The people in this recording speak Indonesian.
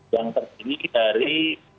yang terdiri dari